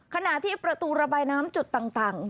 ขณะที่ประตูระบายน้ำจุดต่าง